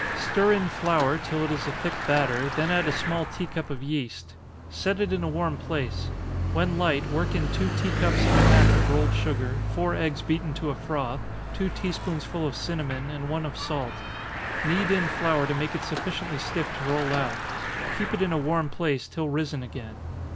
Stir in flour, till it is a thick batter, then add a small tea cup of yeast. Set it in a warm place when light, work in two tea cups and a half of rolled sugar, four eggs beaten to a froth, two tea spoonsful of cinnamon, and one of salt. Knead in flour to make it sufficiently stiff to roll out keep it in a warm place, till risen again.